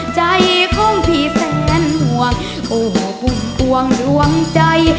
ใจของพี่แสนหัวโอ้ปุ่งปวงดวงใจ